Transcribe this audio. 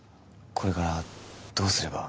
これからどうすれば・